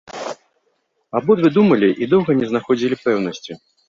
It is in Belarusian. Абодва думалі і доўга не знаходзілі пэўнасці.